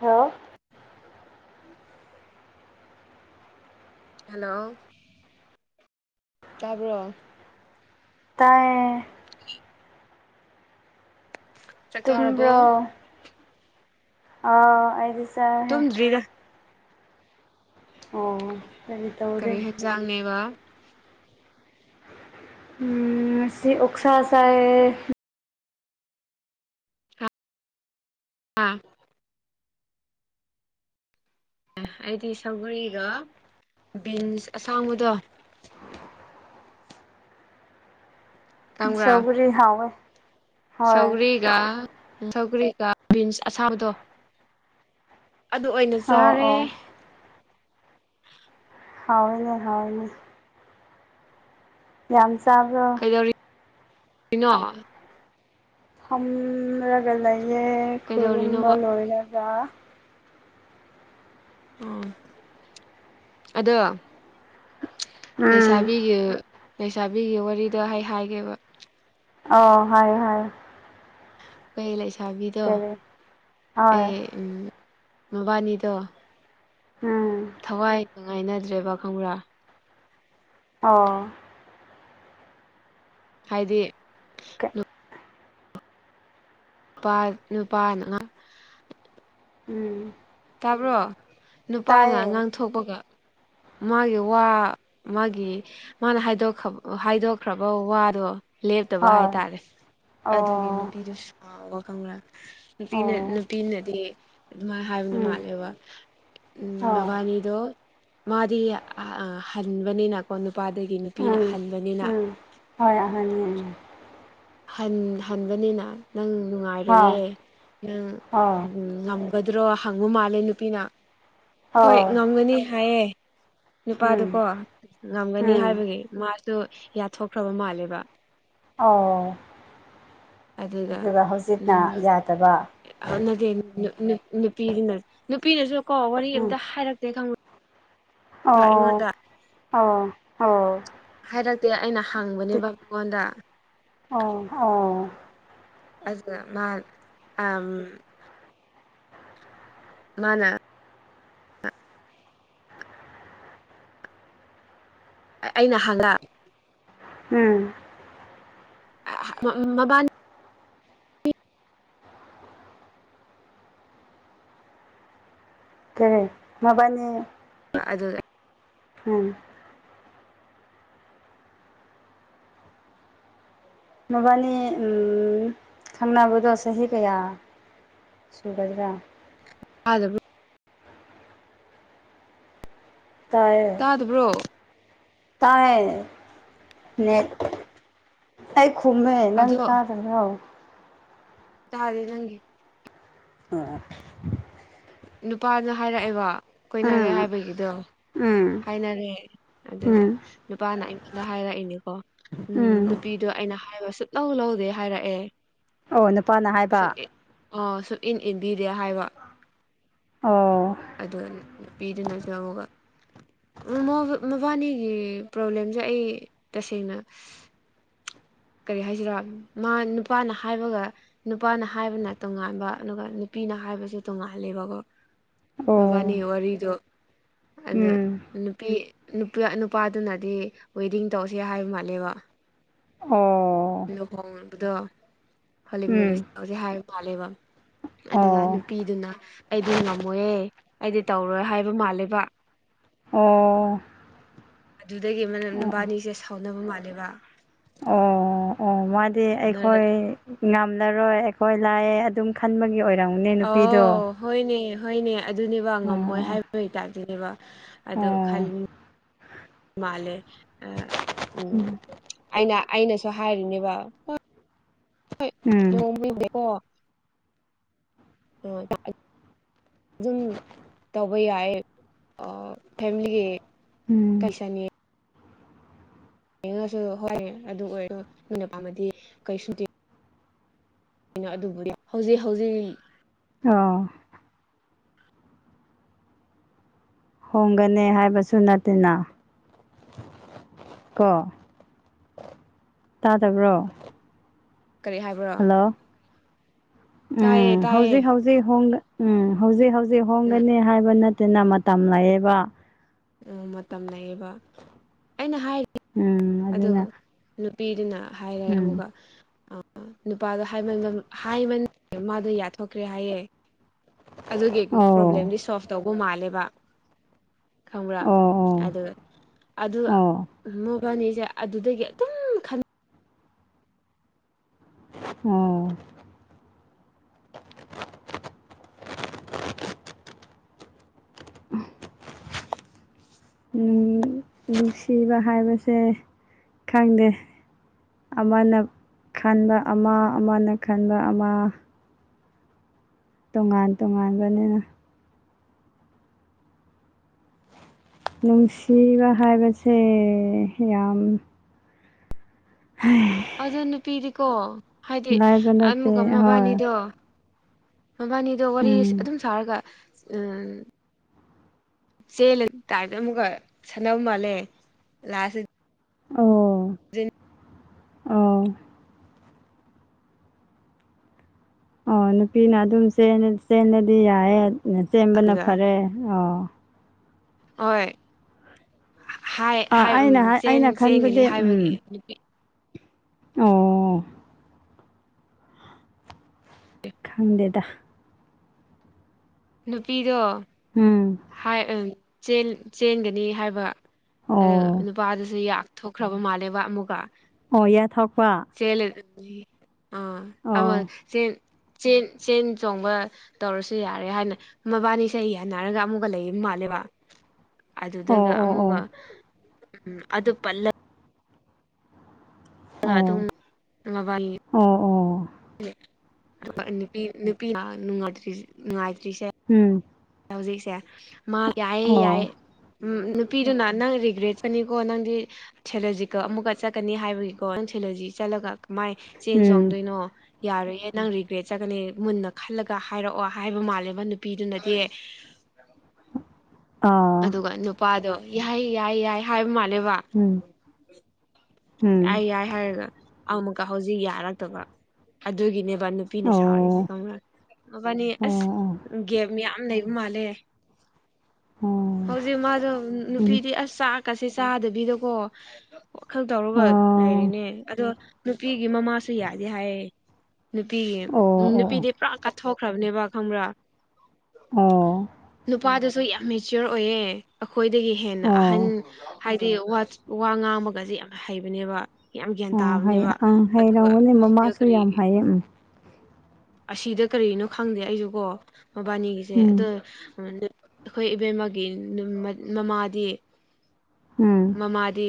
Hello. Hello. ꯇꯥꯕ꯭ꯔꯣ꯫ ꯇꯥꯏꯌꯦ꯫ ꯆꯥꯛ ꯇꯨꯝꯕ꯭ꯔꯣ ꯆꯥꯔꯕꯣ ꯑ ꯑꯩꯗꯤ ꯆꯥꯔꯦ꯫ ꯇꯨꯝꯗ꯭ꯔꯤꯗ ꯑꯣ ꯀꯔꯤ ꯀꯔꯤ ꯇꯧꯔꯦ ꯌꯦꯟꯖꯥꯡꯅꯦꯕ ꯎꯝ ꯉꯁꯤ ꯑꯣꯛꯁꯥ ꯆꯥꯏꯌꯦ꯫ ꯑꯥ ꯑꯦ ꯑꯩꯗꯤ ꯁꯧꯒꯔꯤꯒ ꯕꯤꯟꯁ ꯑꯁꯥꯡꯕꯗꯣ ꯁꯧꯒꯔꯤ ꯍꯥꯎꯋꯦ꯫ ꯍꯣꯏ ꯁꯧꯒꯔꯤꯒ ꯁꯧꯒꯔꯤꯒ ꯕꯤꯟꯁ ꯑꯁꯥꯡꯕꯗꯣ ꯑꯗꯨ ꯑꯣꯏꯅ ꯑꯣ ꯆꯥꯔꯦ꯫ ꯑꯣ ꯍꯥꯎꯏꯅꯦ ꯍꯥꯎꯏꯅꯦ꯫ ꯌꯥꯝ ꯆꯥꯕ꯭ꯔꯣ꯫ [inaudible] ꯐꯝꯂꯒ ꯂꯩꯌꯦ ꯈꯨꯔꯨꯝꯕ ꯀꯩꯗꯧꯔꯤꯅꯣꯕ ꯂꯣꯏꯔꯒ꯫ ꯑꯣ ꯑꯗꯣ ꯎꯝ ꯂꯩꯁꯥꯕꯤꯒꯤ ꯂꯩꯁꯥꯕꯤꯒꯤ ꯋꯥꯔꯤꯗ ꯍꯥꯏ ꯍꯥꯏꯒꯦꯕ ꯑꯣ ꯍꯥꯏꯌꯨ ꯍꯥꯏꯌꯨ꯫ ꯑꯩꯈꯣꯏ ꯂꯩꯁꯥꯕꯤꯗꯣ ꯀꯔꯤ ꯍꯣꯏ ꯑꯩ ꯃꯕꯥꯅꯤꯗꯣ ꯎꯝ꯫ ꯊꯋꯥꯏꯒ ꯅꯨꯉꯥꯏꯅꯗ꯭ꯔꯦꯕ ꯈꯪꯕ꯭ꯔꯥ꯫ ꯑꯣ ꯍꯥꯏꯗꯤ ꯑꯣ ꯀꯦ [inaudible] ꯅꯨꯄꯥ ꯅꯨꯄꯥ ꯅꯥ [unintelligible] ꯎꯝ꯫ ꯇꯥꯕ꯭ꯔꯣ ꯅꯨꯄꯥꯅ ꯇꯥꯏꯌꯦ ꯑꯉꯥꯡ ꯊꯣꯛꯄꯒ ꯃꯥꯒꯤ ꯋꯥ ꯃꯥꯒꯤ ꯃꯥꯅ ꯍꯥꯏꯗꯣꯛꯈ꯭ꯔ ꯍꯥꯏꯗꯣꯛꯈ꯭ꯔꯕ ꯋꯥꯗꯣ ꯂꯦꯞꯇꯕ ꯍꯣꯏ ꯍꯥꯏꯇꯥꯔꯦ ꯑꯗꯨꯒꯤ ꯑꯣ ꯅꯨꯄꯤꯗꯨ ꯁꯨꯥꯎꯕ ꯈꯪꯕ꯭ꯔ꯫ ꯅꯨꯄꯤꯅ ꯑꯣ ꯅꯨꯄꯤꯅꯗꯤ ꯑꯗꯨꯃꯥꯏꯅ ꯍꯥꯏꯕꯅꯤ ꯎꯝ ꯎꯝ ꯑꯣ ꯃꯕꯥꯅꯤꯗꯣ ꯃꯥꯗꯤ ꯍꯟꯕꯅꯤꯅ ꯅꯨꯄꯥꯗꯒꯤ ꯅꯨꯄꯤꯅ ꯎꯝ ꯍꯟꯕꯅꯤꯅ ꯎꯝ ꯍꯣꯏ ꯑꯍꯟ ꯅꯤ ꯍꯟꯕꯅꯤꯅ ꯅꯪ ꯍꯥꯎ ꯅꯨꯡꯉꯥꯏꯔꯌꯦ ꯅꯪ ꯑꯣ ꯉꯝꯒꯗ꯭ꯔꯣ ꯍꯪꯉꯨ ꯃꯥꯜꯂꯦ ꯅꯨꯄꯤꯅ ꯍꯣꯏ ꯑꯣ ꯉꯝꯒꯅꯤ ꯍꯥꯏꯌꯦ ꯅꯨꯄꯥꯗꯨꯀꯣ ꯎꯝ ꯉꯝꯒꯅꯤ ꯎꯝ ꯍꯥꯏꯕꯒꯤ ꯃꯥꯁꯨ ꯌꯥꯊꯣꯛꯈ꯭ꯔꯕ ꯃꯥꯜꯂꯦꯕ ꯑꯣ ꯑꯗꯨꯒ ꯍꯧꯖꯤꯛꯅ ꯌꯥꯗꯕ ꯍꯣꯠꯅꯗꯦ ꯅꯨꯄꯤꯗꯨꯅ ꯅꯨꯄꯤꯅꯁꯨ ꯀꯣ ꯋꯥꯔꯤ ꯎꯝ ꯑꯝꯇ ꯍꯥꯏꯔꯛꯇꯦ ꯈꯪꯉ ꯑꯣ ꯑꯣ ꯑꯣ ꯍꯥꯏꯔꯛꯇꯦ ꯑꯩꯅ ꯍꯪꯕꯅꯦꯕ ꯃꯉꯣꯟꯗ ꯑꯣ ꯑꯣ ꯑꯗꯨ ꯃꯥ ꯑ ꯃꯥꯅ ꯑꯩꯅ [unintelligible] ꯎꯝ ꯃꯕꯥ ꯀꯔꯤ ꯃꯕꯥꯅꯤ ꯑꯗꯨ ꯎꯝ꯫ ꯃꯕꯥꯅꯤ ꯎꯝꯝ ꯈꯪꯅꯕꯗꯣ ꯆꯍꯤ ꯀꯌꯥ ꯁꯨꯒꯗ꯭ꯔꯥ ꯑꯗ ꯕꯨ ꯇꯥꯗꯕ꯭ꯔꯣ ꯇꯥꯏ ꯑ ꯅꯦꯠ ꯑꯩꯥꯏ ꯈꯣꯃꯦ ꯅꯪ ꯑꯗꯣ ꯇꯥꯗꯅꯣ ꯇꯥꯗ ꯂꯪꯦ ꯑꯥ ꯅꯨꯄꯥꯅ ꯍꯥꯏꯔꯛꯑꯦꯕ ꯀꯣꯏꯅꯔꯦ ꯎꯝ ꯍꯥꯏꯕꯒꯤꯗꯣ ꯍꯥꯏꯅꯔꯦ ꯑꯗꯨꯗ ꯎꯝ ꯅꯨꯄꯥꯅ ꯑꯩꯉꯣꯟꯗ ꯍꯥꯏꯔꯛꯏꯅꯤꯀꯣ ꯎꯝ ꯅꯨꯄꯤꯗꯣ ꯑꯩꯅ ꯍꯥꯏꯕ ꯁꯤꯠ ꯂꯧ ꯂꯧꯗꯦ ꯍꯥꯏꯔꯛꯑꯦ ꯑꯣ ꯅꯨꯄꯥꯅ ꯍꯥꯏꯕ ꯑ ꯁꯨ ꯏꯟ ꯏꯟꯕꯤꯔꯦ ꯍꯥꯏꯕ ꯑꯣ ꯑꯗꯨ ꯅꯨꯄꯤꯗꯨꯅꯁꯨ ꯑꯃꯨꯛ ꯃꯕꯥꯅꯤꯒꯤ ꯄ꯭ꯔꯣꯕ꯭ꯂꯦꯝꯁꯦ ꯑꯩ ꯇꯁꯦꯡꯅ ꯀꯔꯤ ꯍꯥꯏꯁꯤꯔꯥ ꯃꯥ ꯅꯨꯄꯥꯅ ꯍꯥꯏꯕꯒ ꯅꯨꯄꯥꯅ ꯍꯥꯏꯕꯅ ꯇꯣꯉꯥꯟꯕ ꯑꯗꯨꯒ ꯅꯨꯄꯤꯅ ꯍꯥꯏꯕꯁꯨ ꯇꯣꯡꯉꯥꯂꯦꯕꯀꯣ ꯑꯣ ꯃꯕꯥꯅꯤ ꯋꯥꯔꯤꯗꯣ ꯑꯗꯨꯗ ꯎꯝ ꯅꯨꯄꯤ ꯅꯨ ꯅꯨꯄꯥꯗꯨꯅꯗꯤ ꯋꯦꯗꯤꯡ ꯇꯧꯁꯦ ꯍꯥꯏꯕ ꯃꯥꯜꯂꯦꯕ ꯑꯣ ꯂꯨꯍꯣꯡꯕꯗꯣ ꯍꯡ ꯎꯝ ꯃꯂꯤꯁꯦ ꯍꯥꯏꯕ ꯃꯥꯥꯜꯂꯦꯕ ꯑꯗꯨꯒ ꯑꯣ ꯄꯤꯗꯨꯅ ꯑꯩꯗꯤ ꯉꯝꯃꯣꯏꯌꯦ ꯑꯩꯗꯤ ꯇꯧꯔꯣꯏ ꯍꯥꯏꯕ ꯃꯥꯜꯂꯦꯕ ꯑꯣ ꯑꯗꯨꯗꯒꯤ ꯑꯃꯅ ꯂꯝꯕꯥꯅꯤꯁꯦ ꯁꯥꯎꯅꯕ ꯃꯥꯜꯂꯦꯕ ꯑꯣ ꯑꯣ ꯃꯥꯗꯤ ꯁꯥꯎꯅꯔ ꯑꯩꯈꯣꯏ ꯉꯝꯂꯔꯣꯏ ꯑꯩꯈꯣꯏ ꯂꯥꯛꯑ ꯑꯗꯨꯝ ꯈꯟꯕꯒꯤ ꯑꯣꯏꯔꯝꯅꯦ ꯅꯨꯄꯤꯗꯣ ꯑꯧ ꯍꯣꯏꯅꯦ ꯍꯣꯏꯅꯦ ꯑꯗꯨꯅꯦꯕ ꯉꯝꯃꯣꯏ ꯑꯣ ꯍꯥꯏꯕꯒꯤꯇꯥꯥꯛꯇꯅꯦꯕ ꯑꯗꯣ ꯈ ꯑꯣ ꯃꯥꯂꯦ ꯎꯝ ꯑꯩꯅ ꯑꯩꯅꯁꯨ ꯍꯥꯏꯔꯤꯅꯦꯕ ꯍꯣꯏ ꯎꯝ ꯂꯨꯍꯣꯡꯗꯦꯀꯣ ꯍ ꯑꯗꯨꯝ ꯇꯧ ꯇꯧꯕ ꯌꯥꯏ ꯐꯦꯃꯤꯂꯤꯒꯤ ꯎꯝ ꯀꯩꯁꯥꯅꯤ ꯌꯦꯡꯉꯁꯨ ꯍꯣꯏ ꯑꯗꯨ ꯑꯣꯏꯔꯣ ꯅꯅ ꯄꯥꯝꯃꯗꯤ ꯀꯩ ꯁꯨꯇꯤꯡ ꯀꯩꯅꯣ ꯑꯗꯨꯕꯨꯗꯤ ꯍꯧꯖꯤꯛ ꯍꯧꯖꯤꯛ ꯑꯥ ꯍꯣꯡꯒꯅꯤ ꯍꯥꯏꯕꯁꯨ ꯅꯠꯇꯦꯅ ꯀꯣ ꯇꯥꯗꯕ꯭ꯔꯣ ꯀꯔꯤ ꯍꯥꯏ ꯍꯜꯂꯣ ꯇꯥꯏꯌꯦ ꯎꯝ ꯇꯥꯏꯌꯦ ꯍꯧꯖꯤꯛ ꯍꯧꯖꯤꯛ ꯍꯧꯖꯤꯛ ꯍ ꯎꯝ ꯍꯧꯖꯤꯛ ꯍꯧꯖꯤꯛ ꯎꯝ ꯍꯣꯡꯒꯅꯤ ꯍꯥꯏꯕ ꯅꯠꯇꯅ ꯃꯇꯝ ꯂꯩꯑꯕ ꯃꯇꯝ ꯂꯩꯌꯦꯕ ꯑꯩꯅ ꯍꯥꯏꯔꯤ ꯎꯝ ꯑꯗꯨꯒ ꯑꯗꯨꯅ ꯅꯨꯄꯤꯗꯨꯅ ꯍꯥꯏꯔꯦ ꯎꯝ ꯑꯃꯨꯛꯀ ꯅꯨꯄꯥꯗꯣ ꯍꯥꯏꯃꯟ ꯍꯥꯏꯃꯟ ꯃꯥꯗꯣ ꯌꯥꯊꯣꯛꯈ꯭ꯔꯦ ꯍꯥꯏꯌꯦꯦ ꯑꯗꯨꯒꯤ ꯑꯣ ꯄ꯭ꯔꯣꯕ꯭ꯂꯦꯝꯗꯤ ꯁꯣꯜꯕ ꯇꯧꯕ ꯃꯥꯜꯂꯦꯕ ꯈꯪꯕ꯭ꯔꯥ ꯑꯣ ꯑꯣ ꯑꯗꯨꯒ ꯑꯗꯨ ꯑꯣ ꯃꯣꯕꯥꯅꯤꯁꯦ ꯑꯗꯨꯗꯒꯤ ꯑꯗꯨꯝ ꯑꯣ ꯎ [inaudible] ꯅꯨꯡꯁꯤꯕ ꯍꯥꯏꯕꯁꯦ ꯈꯪꯗꯦ ꯑꯃꯅ ꯈꯟꯕ ꯑꯃ ꯑꯃꯅ ꯈꯟꯕ ꯑꯃ ꯇꯣꯉꯥꯟ ꯇꯣꯉꯥꯟꯕꯅꯤꯅ ꯅꯨꯡꯁꯤꯕ ꯍꯥꯏꯕꯁꯦ ꯌꯥꯝ ꯍꯥꯏ [inaudible] ꯑꯗꯨ ꯅꯨꯄꯤꯗꯤꯀꯣ ꯍꯥꯏꯗꯤ ꯂꯥꯏꯕ ꯅꯠꯇꯦ ꯑꯃꯨꯀ ꯍꯣꯏ ꯃꯕꯥꯅꯤꯗꯣ ꯃꯕꯥꯅꯤꯗꯣ ꯋꯥꯔꯤ ꯎꯝ ꯑꯗꯨꯝ ꯁꯥꯔꯒ ꯎ ꯆꯦꯜꯂꯦ ꯇꯥꯏꯝꯗ ꯑꯃꯨꯛꯀ ꯁꯥꯟꯅꯕꯧ ꯃꯥꯜꯂꯦ ꯂꯥꯁꯁꯤ ꯑꯣ ꯑꯣ ꯑꯣ ꯅꯨꯄꯤꯅ ꯑꯗꯨꯝ ꯆꯦꯟꯟꯅꯗꯤ ꯌꯥꯏꯑꯦ ꯆꯦꯟꯕꯅ ꯐꯔꯦ ꯑꯣ ꯍꯣꯏ ꯑꯩꯅ ꯎꯝ ꯑꯩꯅ ꯆꯦꯟꯒꯅꯤ ꯈꯟꯕꯗꯤ ꯎꯝ ꯍꯥꯏꯕꯒꯤ ꯑꯣ ꯈꯪꯗꯦꯗ ꯅꯨꯄꯤꯗꯣ ꯎꯝ ꯆꯦꯟꯒꯅꯤ ꯍꯥꯏꯕ ꯑꯣ ꯅꯨꯄꯥꯗꯨꯁꯨ ꯊꯣꯛꯈ꯭ꯔꯕ ꯃꯥꯜꯂꯦꯕ ꯑꯃꯨꯒ ꯑꯣ ꯌꯥ ꯊꯛꯄ ꯁꯦꯂ ꯑꯦ ꯑꯣ [inaudible] ꯆꯦꯟ ꯆꯦꯟ ꯆꯣꯡꯕ ꯇꯧꯔꯁꯨ ꯌꯥꯔꯦ ꯍꯥꯏꯅ ꯃꯕꯥꯅꯤ ꯆꯍꯤ ꯍꯥꯏꯅ ꯍꯥꯏꯔꯒ ꯑꯃꯨꯛꯀ ꯂꯩ ꯃꯥꯜꯂꯦꯕ ꯑꯣ ꯑꯗꯨꯗꯒ ꯑꯣ ꯑꯃꯨꯛꯒ ꯑꯣ ꯎꯝ ꯑꯗꯨ ꯄꯂ ꯑꯗ ꯑꯗꯨꯝ ꯑꯣ ꯃꯣꯕꯥꯏꯜ ꯑꯣ ꯑꯣ ꯅꯨ ꯅꯨꯄꯤ ꯅꯨꯡꯉꯥꯏ ꯅꯨꯡꯉꯥꯏꯇ꯭ꯔꯤꯁꯦ ꯎꯝ ꯍꯧꯖꯤꯛꯁꯦ ꯃꯥ ꯌꯥꯏꯌꯦ ꯌꯥꯏ ꯑꯣ ꯎꯝ ꯅꯨꯄꯤꯗꯨꯅ ꯅꯪ ꯔꯤꯒ꯭ꯔꯦꯠꯀꯅꯤꯀꯣ ꯅꯪꯗꯤ ꯁꯦꯂꯣꯖꯤꯀ ꯑꯃꯨꯛꯀ ꯆꯠꯀꯅꯤ ꯍꯥꯏꯕꯒꯤꯀꯣ ꯅꯪ ꯁꯦꯂꯣꯖꯤ ꯆꯠꯂꯒ ꯀꯃꯥꯏ ꯆꯦꯟ ꯎꯝ ꯆꯣꯡꯗꯣꯏꯅꯣ ꯌꯥꯔꯣꯏꯌꯦꯦ ꯅꯪ ꯔꯤꯒ꯭ꯔꯦꯠ ꯆꯠꯒꯅꯤ ꯃꯨꯟꯅ ꯈꯜꯂꯒ ꯍꯥꯏꯔꯛꯑꯣ ꯍꯥꯏꯕ ꯃꯥꯜꯂꯦꯕ ꯅꯨꯄꯤꯗꯨꯅꯗꯤ ꯑꯥ ꯑꯗꯨꯒ ꯅꯨꯄꯥꯗꯣ ꯌꯥꯏ ꯌꯥꯏ ꯌꯥꯏ ꯍꯥꯏꯕ ꯃꯥꯜꯂꯦꯕ ꯎꯝ ꯎꯝ ꯌꯥꯏ ꯌꯥꯏ ꯍꯥꯏꯔꯒ ꯑꯃꯨꯛꯀ ꯍꯧꯖꯤꯛ ꯌꯥꯔꯛꯇꯕ ꯑꯗꯨꯒꯤꯅꯦꯕ ꯅꯨꯄꯤꯅ ꯁꯥꯥꯎꯔꯤꯁꯦ ꯑꯣ ꯀꯪꯅ ꯃꯕꯥꯅꯤ ꯑꯣ ꯑꯣ ꯑꯁ ꯑꯣ ꯒꯦꯞ ꯌꯥꯝꯌꯥꯝ ꯂꯩꯕ ꯃꯥꯜꯂꯦ ꯎꯝ ꯑꯣ ꯑꯣ ꯑꯣ ꯍꯧꯖꯤꯛ ꯃꯥꯗꯨ ꯅꯨꯄꯤꯗꯤ ꯑꯁ ꯀꯁ ꯆꯥꯗꯕꯤꯗꯀꯣ ꯈꯔ ꯇꯧꯔꯒ ꯂꯩꯔꯤꯅꯦ ꯑꯗꯣ ꯅꯨꯄꯤꯒꯤ ꯃꯃꯥꯁꯨ ꯌꯥꯗꯦ ꯍꯥꯏꯌꯦ ꯅꯨꯄꯤ ꯅꯨꯄꯤꯗꯤ ꯄꯨꯔꯥ ꯊꯣꯛꯈ꯭ꯔꯕꯅꯦꯕ ꯈꯪꯕ꯭ꯔꯥ ꯑꯣ ꯅꯨꯄꯥꯗꯨꯁꯨ ꯌꯥꯝ ꯃꯦꯆꯤꯌꯣꯔ ꯑꯣꯏꯌꯦ ꯑꯩꯈꯣꯏꯗꯒꯤ ꯍꯦꯟꯅ ꯑꯍꯟ ꯑꯣ ꯍꯥꯏꯗꯤ ꯋꯥ ꯉꯥꯡꯕꯒꯁꯦ ꯌꯥꯝꯅ ꯍꯩꯕꯅꯦꯕ ꯌꯥꯝ ꯒ꯭ꯌꯥꯟ ꯑꯣ ꯍꯩ ꯇꯥꯕꯅꯦꯕ ꯑꯪ ꯑꯗꯨꯒ ꯍꯩꯔꯝꯒꯅꯤ ꯁꯤꯗ ꯃꯃꯥꯁꯨ ꯀꯔꯤ ꯌꯥꯝ ꯍꯩꯌꯦ ꯎꯝ ꯑꯁꯤꯗ ꯀꯔꯤꯅꯣ ꯈꯪꯗꯦ ꯑꯩꯁꯨ ꯀꯣ ꯃꯕꯥꯅꯤꯒꯤꯁꯦ ꯑꯗꯣ ꯎꯝ ꯑꯩꯈꯣꯏ ꯏꯕꯦꯝꯃꯒꯤ ꯃꯃꯥꯗꯤ ꯎꯝ ꯃꯃꯥꯗꯤ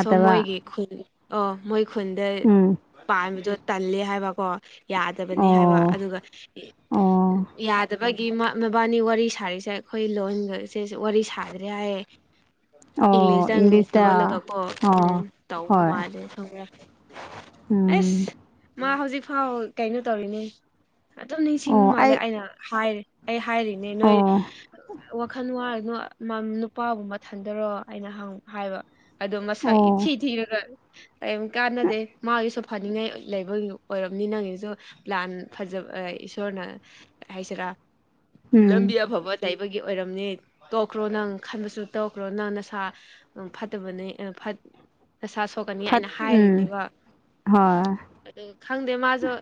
ꯁꯣ ꯃꯣꯏꯒꯤ ꯈꯨꯜ ꯑꯣ ꯃꯣꯏ ꯈꯨꯟꯗ ꯎꯝ ꯄꯥꯝꯕꯗꯣ ꯇꯜꯂꯦ ꯍꯥꯏꯕꯀꯣ ꯌꯥꯗꯕꯅꯤ ꯍꯥꯏꯕ ꯑꯣ ꯑꯗꯨꯒ ꯑꯣ ꯌꯥꯗꯕ ꯃꯕꯥꯅꯤ ꯋꯥꯔꯤ ꯁꯥꯔꯤꯁꯦ ꯑꯩꯈꯣꯏ ꯂꯣꯟꯒꯁꯦ ꯋꯥꯔꯤ ꯁꯥꯗ꯭ꯔꯦ ꯍꯥꯏꯌꯦ ꯑꯣ ꯏꯂꯖꯉ ꯏꯪꯂꯤꯁꯇ ꯂꯣꯜꯂꯒꯀꯣ ꯎꯝ ꯑꯣ ꯇꯧꯕ ꯍꯣꯏ ꯃꯥꯜꯂꯦ ꯈꯝꯕ꯭ꯔꯥ ꯎꯝ ꯑꯦꯁ ꯃꯥ ꯍꯧꯖꯤꯛꯐꯥꯎ ꯀꯩꯅꯣ ꯇꯧꯔꯤꯅꯦ ꯑꯗꯨꯝ ꯅꯤꯡꯁꯤꯡ ꯑꯣ ꯃꯥꯜꯂꯦ ꯑꯩ ꯑꯩꯅ ꯍꯥꯏꯔꯦ ꯑꯩ ꯍꯥꯏꯔꯤꯅꯦ ꯅꯣꯏ ꯑꯣ ꯋꯥꯈꯜ ꯋꯥꯔꯅꯣ ꯅꯨꯄꯥꯕꯨ ꯃꯊꯟꯗꯔꯣ ꯑꯩꯅꯪ ꯍꯥꯏꯕ ꯑꯗꯣ ꯃꯁꯥ ꯏꯊꯤ ꯑꯣ ꯊꯤꯔꯒ ꯀꯔꯤꯝ ꯀꯥꯟꯅꯗꯦ ꯃꯥꯒꯤꯁꯨ ꯐꯅꯤꯡꯉꯥꯏ ꯂꯩꯕ ꯑꯣꯏꯔꯕꯅꯤ ꯅꯪꯒꯤꯁꯨ ꯄ꯭ꯂꯥꯟ ꯐꯖꯕ ꯏꯁꯣꯔꯅ ꯍꯥꯏꯁꯔ ꯎꯝ ꯂꯝꯕꯤꯤ ꯑꯐꯕꯠ ꯂꯩꯕꯒꯤ ꯑꯣꯏꯔꯝꯅꯤ ꯇꯣꯛꯈ꯭ꯔꯣ ꯅꯪ ꯈꯟꯕꯁꯨ ꯇꯣꯛꯈ꯭ꯔꯣ ꯅꯪ ꯅꯁꯥ ꯐ ꯐꯠꯇꯕꯅꯦ ꯐ ꯅꯁꯥ ꯁꯣꯛꯀꯅꯤ ꯐꯠ ꯍꯥꯏꯅ ꯎꯝ ꯍꯥꯏꯔꯤꯅꯦꯕ ꯍꯣꯏ ꯈꯪꯗꯦ ꯃꯥꯁꯨꯣ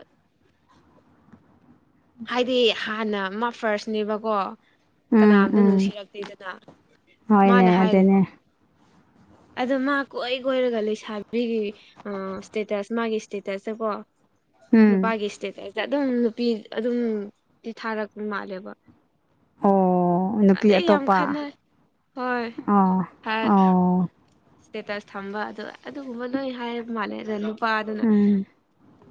ꯍꯥꯏꯗꯤ ꯍꯥꯟꯅ ꯃꯥ ꯐꯥꯔꯁꯅꯦꯕꯀꯣ ꯎꯝ ꯀꯅꯥꯝꯇ ꯎꯝ ꯅꯨꯡꯁꯤꯔꯛꯇꯦꯗꯅ ꯃꯥꯅ ꯍꯣꯏꯅꯦ ꯍꯥꯏꯔꯤꯅꯦ ꯑꯗꯨꯅꯦ ꯑꯗꯣ ꯃꯥ ꯀꯣꯏ ꯀꯣꯏꯔꯒ ꯂꯩꯁꯥꯕꯤꯒꯤ ꯏꯁꯇꯦꯇꯁ ꯃꯥꯒꯤ ꯏꯁꯇꯦꯇꯁꯇ ꯀꯣ ꯎꯝ ꯅꯨꯄꯥꯒꯤ ꯏꯁꯇꯦꯇꯁꯇ ꯑꯗꯨꯝ ꯅꯨꯄꯤ ꯑꯗꯨꯝꯤ ꯊꯥꯔꯛꯄ ꯃꯥꯜꯂꯦꯕ ꯑꯣ ꯅꯨꯄꯤ ꯑꯗꯩ ꯌꯥꯝ ꯑꯇꯣꯞꯄ ꯈꯅꯩ ꯍꯣꯏ ꯑꯣ ꯍꯥꯏ ꯑꯣ ꯏꯁꯇꯦꯇꯁ ꯊꯝꯕ ꯑꯗꯨ ꯑꯗꯨꯒꯨꯝꯕ ꯂꯣꯏ ꯍꯥꯏꯕ ꯃꯥꯜꯂꯦ ꯑꯗ ꯅꯨꯄꯥꯗꯨꯅ ꯎꯝ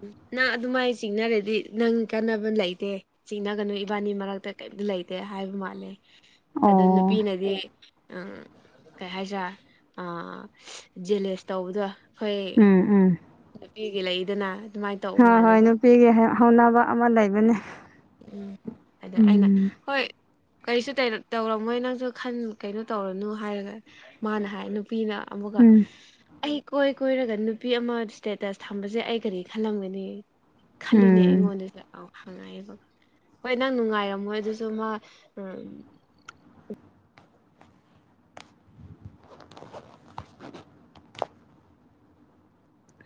ꯎ ꯅꯪ ꯑꯗꯨꯃꯥꯏꯅ ꯆꯤꯡꯅꯔꯗꯤ ꯅꯪ ꯀꯥꯟꯅꯕ ꯂꯩꯇꯦ ꯆꯤꯡꯅꯒꯅꯨ ꯏꯕꯥꯅꯤ ꯃꯔꯛꯇ ꯀꯔꯤꯝꯇ ꯂꯩꯇꯦ ꯍꯥꯏꯕ ꯃꯥꯜꯂꯦ ꯑꯗꯨ ꯑꯣ ꯅꯨꯄꯤꯅꯗꯤ ꯎ ꯀꯩ ꯍꯥꯏꯁꯥ ꯑꯥ ꯖꯦꯂꯦꯁ ꯇꯧꯕꯗꯣ ꯑꯩꯈꯣꯏ ꯎꯝ ꯎꯝ ꯅꯨꯄꯤꯒꯤ ꯂꯩꯗꯅ ꯑꯗꯨꯃꯥꯏꯅ ꯇꯧꯕ ꯍꯣꯏ ꯍꯣꯏ ꯃꯥꯜꯂꯦꯕ ꯅꯨꯄꯤꯒꯤ ꯍꯧꯅꯕ ꯑꯃ ꯂꯩꯕꯅꯦ ꯎꯝ ꯑꯗ ꯑꯩꯅ ꯎꯝ ꯍꯣꯏ ꯀꯔꯤꯁꯨ ꯇꯧꯔꯝꯃꯣꯏ ꯅꯪꯁꯨ ꯀꯩꯅꯣ ꯇꯧꯔꯅꯨ ꯍꯥꯏꯔꯒ ꯃꯥꯅ ꯍꯥꯏ ꯅꯨꯄꯤꯅ ꯑꯃꯨꯀ ꯎꯝ ꯑꯩ ꯀꯣꯏ ꯀꯣꯏꯔꯒ ꯅꯨꯄꯤ ꯑꯃ ꯏꯁꯇꯦꯇꯁ ꯊꯝꯕꯁꯦ ꯑꯩ ꯀꯔꯤ ꯈꯜꯂꯝꯒꯅꯤ ꯈꯜꯂꯨꯅꯦ ꯎꯝ ꯑꯩꯉꯣꯟꯗꯁꯨ ꯑꯥꯎ ꯍꯪꯉꯑꯕ ꯍꯣꯏ ꯅꯪ ꯅꯨꯡꯉꯥꯏꯔꯝꯃꯣꯏ ꯑꯗꯨꯁꯨ ꯃꯥ ꯎ [inaudible]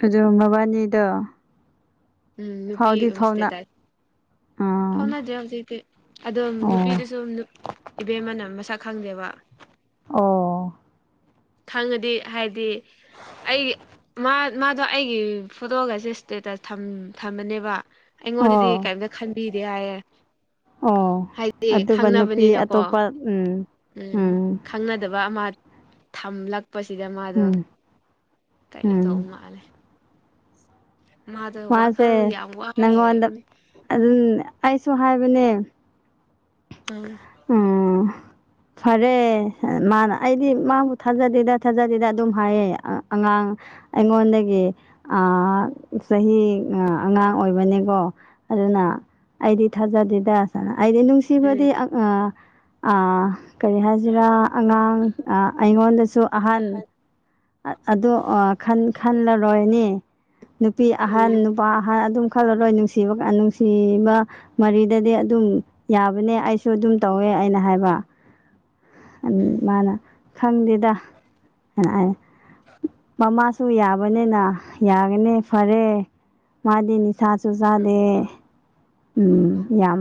ꯑꯗꯨꯣ ꯃꯕꯥꯅꯤꯗꯣ ꯎꯝ ꯅꯨꯄꯤ ꯐꯥꯎꯗꯤ ꯍꯁꯇꯦ ꯐꯥꯎꯅ ꯇꯥꯏ ꯑꯥ ꯊꯥꯎꯅꯗ꯭ꯔꯦ ꯍꯧꯖꯤꯛꯇꯤ ꯑꯗꯨꯝ ꯑꯣ ꯅꯨꯄꯤꯗꯨꯁꯨ ꯏꯕꯦꯝꯃꯅꯝ ꯃꯁꯛ ꯈꯪꯗꯦꯕ ꯑꯣ ꯈꯪꯉꯗꯤ ꯍꯥꯏꯗꯤ ꯑꯩꯒꯤ ꯃꯥꯗꯣ ꯑꯩꯒꯤ ꯐꯣꯇꯣꯒꯁꯦ ꯏꯁꯇꯦꯇꯁ ꯊꯝꯕꯅꯦꯕ ꯑꯩꯉꯣꯟꯗꯗꯤ ꯑꯣ ꯀꯔꯤꯝꯇ ꯈꯟꯕꯤꯗꯦ ꯍꯥꯏꯌꯦꯦ ꯑꯣ ꯑꯗꯨꯒ ꯅꯨꯄꯤ ꯑꯇꯣꯞꯄ ꯎꯝ ꯎꯝ ꯈꯪꯅꯗꯕ ꯑꯃ ꯊꯝꯂꯛꯄꯁꯤꯗ ꯃꯥꯗꯣ ꯎꯝ ꯀꯩꯅꯣ ꯇꯧꯕ ꯎꯝ ꯃꯥꯜꯂꯦ ꯃꯥꯗ ꯋꯥꯈꯜ ꯃꯥꯁꯦ ꯌꯥꯝ ꯋꯥꯔ ꯅꯪꯉꯣꯟꯗ ꯂꯩꯕꯅꯤ ꯑꯗꯨꯝ ꯑꯩꯁꯨ ꯍꯥꯏꯕꯅꯦ ꯎꯝ ꯎꯝ ꯐꯔꯦ ꯃꯥꯅ ꯑꯩꯗꯤ ꯃꯥꯕꯨ ꯊꯥꯖꯗꯦꯗ ꯊꯥꯖꯗꯦꯗ ꯑꯗꯨꯝ ꯍꯥꯏꯌꯦ ꯑꯉꯥꯡ ꯑꯩꯉꯣꯟꯗꯒꯤ ꯆꯍꯤ ꯑꯉꯥꯡ ꯑꯣꯏꯕꯅꯤꯀꯣ ꯑꯗꯨꯅꯅꯥ ꯑꯩꯗꯤ ꯊꯥꯖꯗꯦꯗꯥꯁꯅ ꯑꯩꯗꯤ ꯅꯅꯨꯡꯁꯤ ꯁꯤꯕꯗꯤ ꯎꯝ ꯀꯔꯤ ꯍꯥꯏꯁꯤꯔꯥ ꯑꯉꯥꯡ ꯑꯩꯉꯣꯟꯗꯁꯨ ꯑꯍꯟ ꯑꯗ ꯈꯜꯂꯔꯣꯏꯅꯦ ꯅꯨꯄꯤ ꯎꯝ ꯑꯍꯟ ꯄ ꯍꯥꯏ ꯑꯗꯨꯝ ꯈꯜꯂꯔꯣꯏ ꯅꯨꯡꯁꯤꯕ ꯅꯨꯡꯁꯤꯕ ꯃꯔꯤꯗꯗꯤ ꯑꯗꯨꯝ ꯌꯥꯕꯅꯦ ꯑꯩꯁꯨ ꯑꯗꯨꯝ ꯇꯧꯋꯦ ꯑꯩꯅ ꯍꯥꯏꯕ ꯎꯝ ꯃꯥꯅ ꯈꯪꯗꯦꯗ ꯍꯥꯏꯅ ꯃꯃꯥ ꯁꯨ ꯌꯥꯕꯅꯤꯅ ꯌꯥꯒꯅꯤ ꯐꯔꯦ ꯃꯥꯗꯤ ꯅꯤꯁꯥꯁꯨ ꯆꯥꯗꯦ ꯎꯝ ꯌꯥꯝ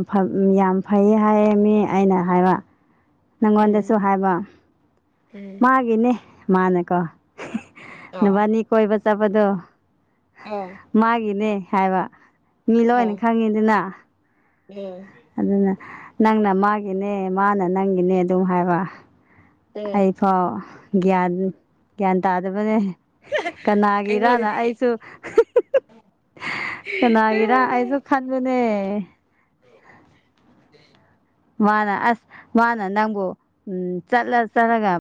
ꯌꯥꯝ ꯐꯩ ꯍꯥꯏ ꯃꯤ ꯑꯩꯅ ꯍꯥꯏꯕ ꯅꯪꯉꯣꯟꯗꯁꯨ ꯎꯝ ꯍꯥꯏꯕ ꯎꯝ ꯃꯥꯒꯤꯅꯦ ꯃꯥꯅꯦꯀꯣ ꯑꯥ ꯅꯨꯕꯥꯅꯤ ꯀꯣꯏꯕ ꯆꯠꯄꯗꯣ ꯑꯥ ꯃꯥꯒꯤꯅꯦ ꯍꯥꯏꯕ ꯃꯤ ꯂꯣꯏꯅ ꯑꯥ ꯈꯪꯉꯤꯅꯤꯅ ꯎꯝ ꯑꯗꯨꯅ ꯅꯪꯅ ꯃꯥꯒꯤꯅꯦ ꯃꯥꯅ ꯅꯪꯒꯤꯅꯦ ꯑꯗꯨꯝ ꯍꯥꯏꯕ ꯑꯩꯐꯥꯎ ꯒ꯭ꯌꯥꯟ ꯒ꯭ꯌꯥꯟ ꯇꯥꯗꯕꯅꯦ ꯀꯅꯥꯒꯤꯔꯅ ꯑꯩꯉꯣꯟꯗꯗꯤ ꯑꯩꯁꯨ ꯀꯅꯥꯒꯤꯔ ꯑꯩꯁꯨ ꯈꯥꯟꯃꯅꯦ ꯑ ꯃꯥꯅ ꯑꯁ ꯃꯥꯅ ꯅꯪꯕꯨ ꯎꯝ ꯆꯠꯂ ꯆꯠꯂꯒ